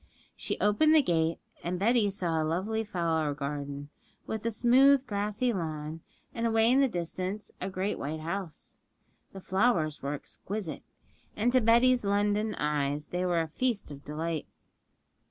She opened the gate, and Betty saw a lovely flower garden, with a smooth, grassy lawn, and away in the distance a great white house. The flowers were exquisite, and to Betty's London eyes they were a feast of delight.